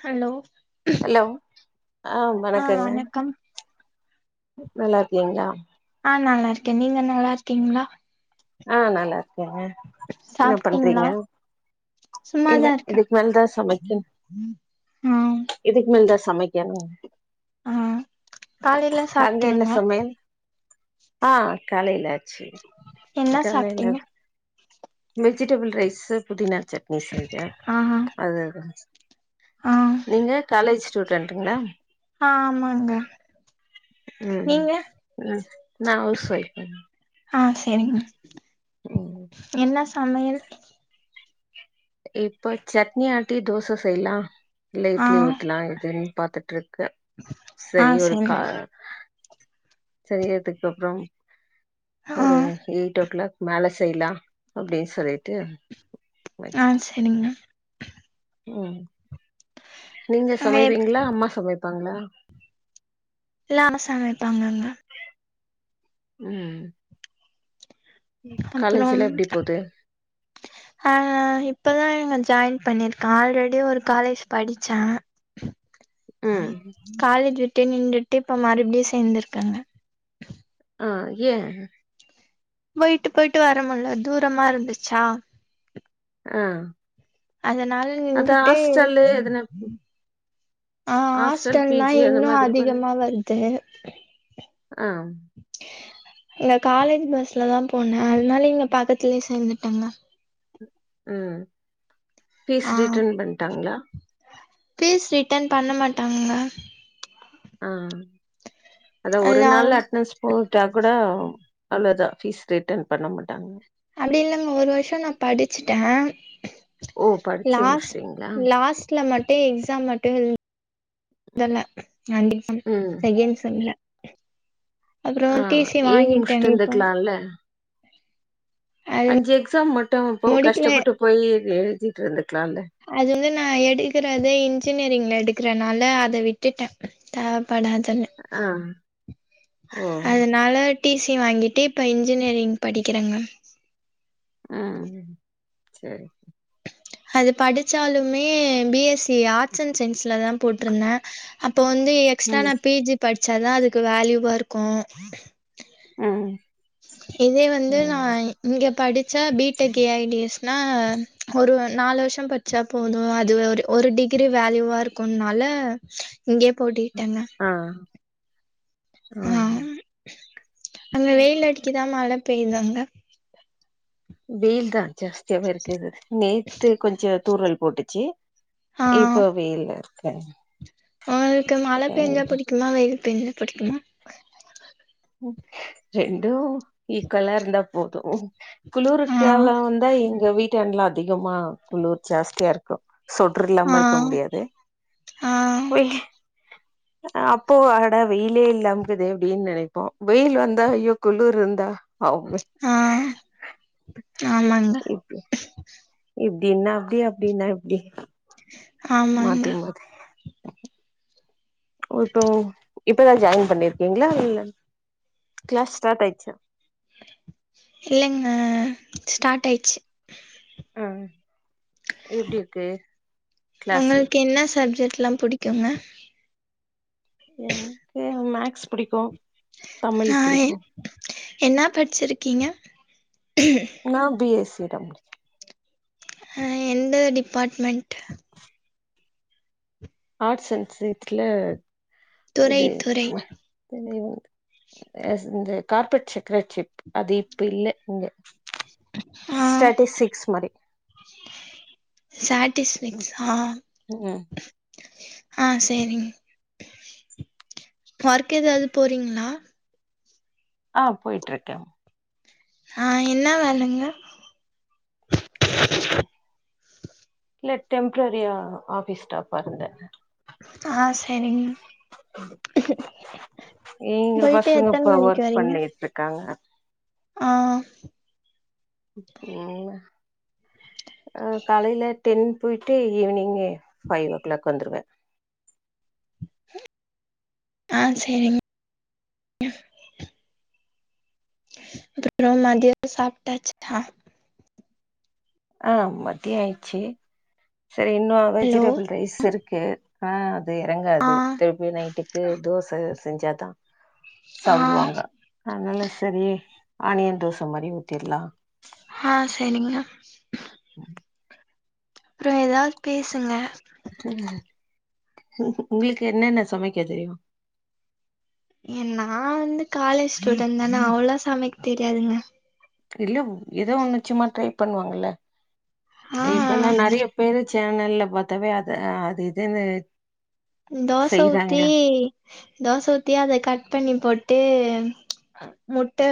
Hello hello அ ஆ வணக்கங்க வணக்கம் நல்லார்கீங்களா ஆ நல்லா இருக்கே நீங்க நல்லா இருக்கீங்களா அ நல்லா இருக்கேங்க என்ன சாப்ட்டீங்களா பண்றீங்க இல்ல சும்மாதா இருக்கே இதுக்கு மேலதா சமைக்கனு ஆ இதுக்கு மேலதா சமைக் ஆ காலையில அங்க என்ன சாப்ட்டீங்களா சமயல் ஆ காலைல ஆச்சு என்னா காலையில சாப்டீங்க வெஜிடபிள் ரைஸ்சு புதினா சட்னி செஞ்ச ஆ ஆ அது ஆ நீங்க காலேஜ் ஸ்டூடென்டுங்களா ஆமாங்க ம் நீங்க ம் நா ஹவுஸ் வைஃப் ஆ சரிங்க ம் சமயல் இப்ப சட்னி ஆட்டி தோச செய்லா இல்ல ஆ இட்லி ஊத்தலா எதுன்னு பாத்துட்ருகே ஆ சரி ஒரு சரிங்க கா சரி அதுக்கப்புறம் ஆ ஒரு எயிட்டோ கிளாக் மேல செய்லா அப்டின்னு சொல்லிட்டு ஆ வச்சுட்டு சரிங்க ம் நீங்க அங்க சமைப்பீங்களா அம்மா சமைப்பாங்களா நானு சமைப்பே ம் அப்புறம் காலேஜ்லா எப்டி போது அ இப்பதா இங்கச் ஜாயின் பண்ணிருக்கா ஆல்ரெடி ஒரு காலேஜ் படிச்சா ம் காலேஜ விட்டே நின்டுட்டு இப்ப மறுப்டியு சேந்துருக்கங்க அ ஏ போயிட்டு போயிட்டு வரமுல்ல தூரமா இருந்துச்சா அ அதனால் நின்டுட்டு எதுனா அ ஹாஸ்டல் பி ஹாஸ்டல்னா ஜி அந்த இன்னு அதிகமா வர்து அம் இல்ல காலேஜ் பஸ்ல தா போன அதனால இங்க பக்கத்துலயே சேந்துட்டங்க ம் ஃபீஸ் ஆ ரிட்டன் பண்ட்டாங்ளா ஃபீஸ் ரிட்டன் பண்ண மாட்டாங்க அ அதா அது ஒரு அவ் நாள்ல அட்னன்ஸ் போய்ட்டா கூடோ அவ்ளதா ஃபீஸ் ரிட்டன் பண்ண மாட்டாங்க அப்டி இல்லங்க ஒரு வருஷோ நா படிச்சிட்ட ஓ படிச்சு லாஸ் முடிச்சுட்டீங்களா லாஸ்ட்ல மட் டே எக்ஸாம் மட்டு எழ்தன ஆண்ட் எகஸம் ம் செகேண்ட் செம்ல அப்றோ அ டி சி எய்தி வாங்கிட்டேங்க முஸ்ட்டு இப்போ இந்துருக்லால்ல அது அஞ்சி எக்ஸாம் மட்டு போ முடிக்கல கஷ்டப்பட்டு போய் எழ்த் எழுதிட்றது அது வந்து நா எடுக்கறதே இன்ஜினியரிங்ல எடுக்கறனால அத விட்டுட்ட தேவ் படாதுன்னு ஆ ஓ அதனால டிசி வாங்கிட்டு இப்ப இன்ஜினியரிங் படிக்கிறங்க அ செரி அது படிச்சாலுமே பிஎஸ்சி ஆர்ட்ஸ் அண்ட் சயின்ஸ்ல தா போட்ருந்த அப் போ வந்து எக்ஸ்ட்ரா ம் நா பிஜி படிச்சாதா அதுக்கு வேல்யூவாருக்கோ ம் இதே வந்து நா ம் இங்க படிச் ச பிடெக் ஏஐடிஎஸ்னா ஒரு நாலு வருஷோ பட்ச்சா போது அது ஒரு ஒரு டிக் கிரி வேல்யூவா இருக்குன்னால இங்கயே போட்டிட்டேங்க ஆ அ ம் அங்க வெயில் அடிக்குதா மழ பெய்தாங்க வெயில் தான் ஜாஸ்தியாவ இருக்குது நேத்து கொஞ்சோ‌ தூறல் போட்டுச்சி ஆ இப்போ வெயிலாருக் கங்க உங்களுக்கு மழ பெஞ்சா புடிக்குமா வெயில் பெஞ்சா புடிக்குமா ரெண்டு ஈக்வலாருந்தா போது ஆ குளிர்க்காலோ வந்தா எங் க வீட்டாண்டுலா அதிகமா குளிர் ஜாஸ்தியாருக்கோ சொட்ரு இல்லாம ஆ இருக்க முடியாது் ஆ அ அப்போ அட வெயிலே இல்லாமக்குதே அப்டின் நெனைப் போ வெயில் வந்தா ஐயோ குளுருந்தா அவ்வே ஆ ஆமாங்க இப்ப இப்டின்னா அப்டி அப்டின்னா இப்டி ஆமாங்க மாத்தி மாத்தி ஒ இப்போ இப்பதா ஜாயின் பண்ணிருக்கீங்ளா இல்ல க்ளாஸ் ஸ்டார்ட்டாய்சா இல்லங்க ஸ்டார்ட்டாயிச்சி அ எப்டி இருக்கு கிளாஸ்ல உங்களுக்கு என்ன சப்ஜெக்ட்ல்லா புடிக்குங்க எனக்கு மேக்ஸ் புடிக்கு தமிழ் அ புடிக்கு என் என்னா படிச்சிருக்கீங்க நா பி எஸ் சி கம் அ எந்த டிபார்ட்மெண்ட் ஆர்ட்ஸ் அண்ட் சயின்ஸ் ல துறை இது துறை [unintelligible] எஸ் இந்த கார்ப்பரேட் செக்ரட்டரி அது இப்ப இல்ல இங்க ஆ ஸ்டாட்டிஸ்டிக்ஸ் மாரி ஸ்டாடிஸ்டிக்ஸ் ஆ ம் ஆ செரிங் ஒர்க் எதாவது போறீங்களா ஆ போயிட்டுருக்கே ஆ என்ன வேலங்க இல்ல டெம்ப்ரரியா ஆஃபீஸ் ஸ்டாஃபா இருந்தே ஆ சரிங்க இங்க பசங்க இப்ப ஒர்க் பண்ணிட்டு இருக்காங்க ஆ ஓ ஆ காலைல டென் போயிட்டு ஈவி்னிங் ஃபைவ் ஓ கிளாக் வந்துருவே ஆ சேரிங்க அப்புறோ மதியோ சாப்ட்டாச்தா ஆ மத்திய ஆயிச்சு சரி இன்னு ஹலோ வெஜிடபிள் ரைஸ் இருக்கு ஆ அது ஆ எறங்காது திருப்பி நைட்டுக்கு தோச செஞ்சாதா ஆ சாப்டுவாங்க அதனால சரி ஆனியன் தோச மாரி ஊத்திட்லா ஹா செரிங்கனா உஹம் அப்புற ஏதா பேசுங்க [unintelligible] உங்களுக்கு என்னென்ன சமைக்க தெரியு ஏ நா வந்து காலேஜ் ஸ்டூடெண்ட் தானே அவ்ளோளா சமைக் தெரியாதுங்க இல்ல ஏதோ ஒன்னு சும்மா ட்ரை பண்ணுவாங்கல்ல ஆ இப்போ எல்லா நெறைய பேரு சேனல்லல பாத்தாவே அது அது இதுன்னு தோச ஊத்தி செய்றாங்களா தோச ஊத்தி அத கட் பண்ணி போட்டு முட்ட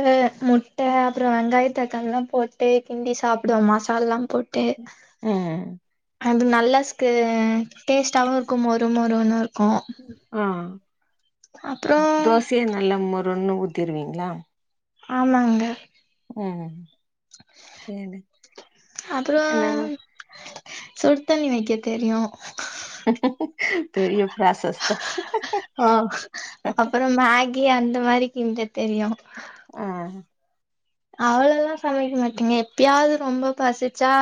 முட்ட அப்புற வெங்காய தக்காள எல்லா போட்டு கிண்டி சாப்டுவோ மசால எல்லா போட்டு ம் அது நல்லா ஸ்கு டேஸ்ட்டாவு இருக்கு மொறு மொறுன்னு இருக்கு ஆ அப்றோ தோசயே நல்லா மொருன்னு ஊத்திருவீங்களா ஆமாங்க ம் செரி அப்றோ என்ன சுடு தண்ணி வைக்க தெரியு பெரிய ப்ராசஸ்தா கு அந்த மாரி கிண்ட தெரியு ஆ அவ்வளளா சமைக்க மாட்டேங்க எப்பயாவது ரொம்ப பசிச்சா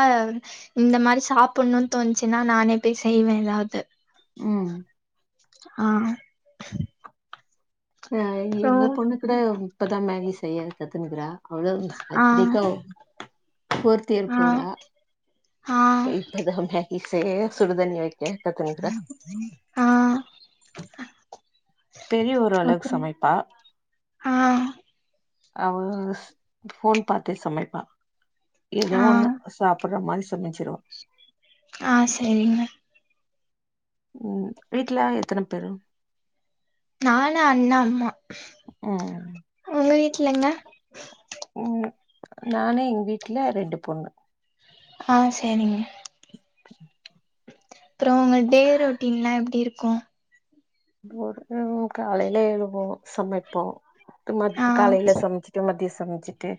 இந்த மாரி சாப் புனுன் தோணுச்சுன்னா நானே போய் செய்வே ஏதாவது ம் ஆ ஆ அப்றோ எங்க பொண்ணு கூட இப்பதா மேகி செய்ய கத்துன்னுக்குறா அவ்ளோ ஆ அத்திரிக்காவு ஃபோர்த் இயர் ஆ போறா ஆ இப்பதா மேகி செய்ய சுடுதண்ணி வைக்க நோட் பண்ணிக்கிறே ஆ பெரிய ஒரு அளவு அப்றோ சமைப்பா ஆ அவ ஃபோன் பாத்தே சமைப்பா ஏதோ ஆ ஒண்ணு சாப் புர்ற மாரி சொல்லிச்சிருவோ ஆ செரிங்க ம் வீட்ல எத்தன பேரு நானு அண்ணா அம்மா ம் உங்க வீட்லங்க ம் நானு எங் வீட்ல ரெண்டு பொண்ணு அ செரிங்க அப்றோ உங்க டே ரொட்டின்லா எப்டி இருக்கு [unintelligible] காலையில எழுவோ சமைப்போ த்து ஆ மத் காலையில சமச்சிட்டு மதிய சம்ச்சிட்டு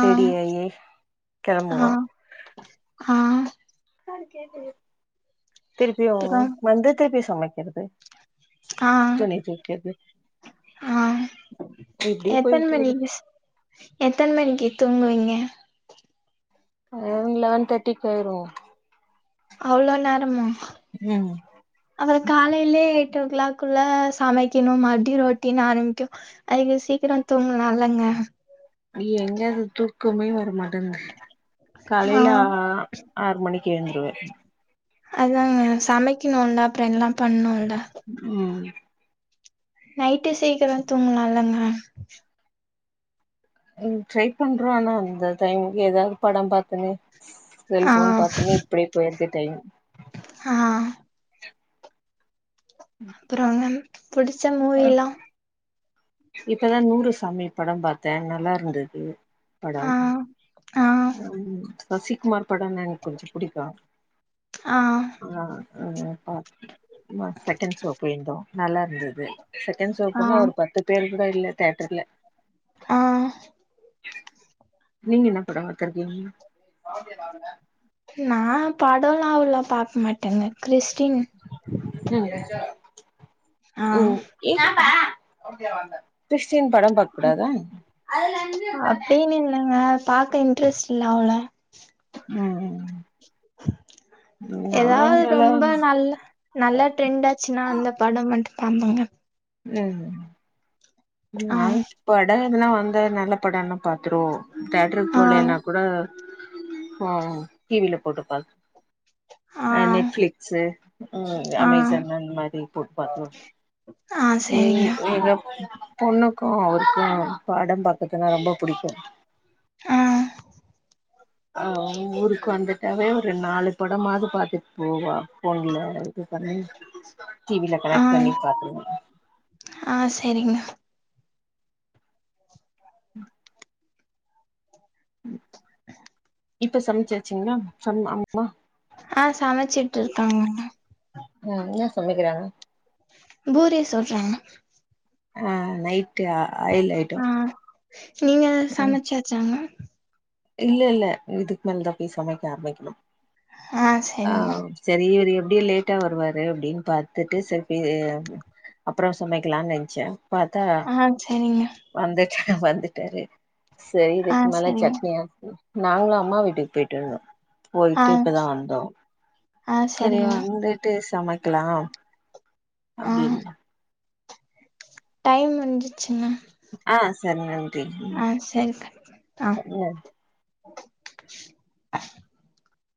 ஆ ரெடியாயி ஆ கெளம்புவோ ஆ திருப்பியு அப்றோ வந்து திருப்பியு சமைக்கிறது துணி தோய்க்கற்து அ இப்டியே எத்தன் மணி போயிட்டுருக்குது பஸ் எத்தன் மணிக்கு தூங்குவீங்க லெவன் லெவன் தேட்டிக்கு ஆய்ரு அவ்ள நேரமா ம் அது காலையிலே எயிட் ஓ க்ளாக்குள்ள சமைக்கிணு மற்ப்டியு ரொட்டின்னு ஆரம்பிக்கு அதுக்கு சீக் கிரோ தூங்கலால்லங்க எங்க அது தூக்கமே வருமாட் காலைல ஆ ஆறு மணிக்கு ஏந்த்ருவ அதாங்க சமைக்கணுன்ல அப்றோ எல்லாம் பண்ணுல ம் நைட்டு சீக்கிரோ தூங்கலால மேம் ம் ட்ரை பண்றோ ஆனா அந்த டைமுக்கு ஏதாவ்து படம் பாத்துனு ஆ செல்ஃபோன் பாத்துனே இப்படியே போயற்து டைம் ஆ அப்றோ மேம் புடிச்ச மூவி எல்லா இப்பதா நூறு சாமி படம் பாத்தே நல்லா இருந்துது ஆ படம் ஆ சசிக்குமார் படன்ன எனக்கொஞ்சு புடிக்கு அ ஆ ஆ பா ந செகண் ஷோ போயிருந்தோ நல்லா இர்ந்துது செகண் ஷோவுக் ஆ போனா ஒரு பத்து பேரு கூட இல்ல தேட்டர்ல ஆ நீங்க என்ன படம் பாத்திருக்கீங்க நா படோலா அவ்ளோ பாக் மாட்டேங்க கிறிஸ்டின் ம் ஆ ம் ஸ்ன் படம் பாக் கூடாதா அப்டின்னு இல்லங்க பாக்க இன்ட்ரெஸ்ட் இல்ல அவ்ளோ ம் ஏதாவ்து நாங்கல்லா ரொம்ப நல்ல நல்ல ட்ரெண்டாச்சுன்னா அந்த படம் மட் ஆமாங்க ம் ஆ நாங் படமெல்லா வந்தா நல்ல படனா பாத்துறுவோ தேட்டருக் ஆ போலேன்னா கூட அ டிவில போட்டு பாத் ஆ அ நெட்பிளிக்ஸு ம் ஆ அமேசான் அந் மாரி போட்டு பாத்துருவோ ஆ சரிங்க. ம் எதா பொண்ணுக்கு அவுருக்கு படம் பாக்கற்துன்னா ரொம்ப புடிக்கு அ அ ஊருக் வந்துட்டாவே ஒரு நாலு படமாது பாத்துட் போவா ஃபோன்ல பண்ணி டிவில ஆ கனெக் பண்ணி பாத்துருவோ ஆ சரிங்க. இப்ப சமச்சாச்சிங்ளா சம் அம்மா ஆ சமச்சிட்டுருக்காங்க ம் என்ன சமைக்கிறாங்க பூரி சுட்றாங்க ஆ நைட்டு ஆயில் ஆ ஐட்டம் நீங்க ம் சமைச்சாச்சாங்க? இல்ல இல்ல இதுக்கு மேல்தா போய் சமைக்க ஆரம்பிக்கணும் ஆ சரி இவர் எப்டியு லேட்டா வருவாரு அப்டின் பாத்துட்டு ச [unintelligible] அப்பற சமைக்கலான் நென்ச்ச பாத்தா ஆ சரிங்க. வந்துட்ட வந்துட்டாரு சரி ஆ இதுக்கு மேல சரிங்க. சட் நாங்ளு அம்மா வீட்டுக்கு போயிட்ருந்தோ ஆ போயிட்டு இப்பதா வந்தோ ஆ சரி சரிங்க. வந்துட்டு சமைக்கலா‌ ஆ அப்டின் டைம் வந்ருச்சுங்க சரிங்கன் ஆ சரிக ஆ ம்